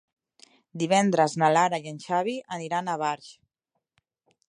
Divendres na Lara i en Xavi aniran a Barx.